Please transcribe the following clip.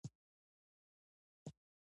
سلای فاکس ژر له غار څخه راووت او وتښتید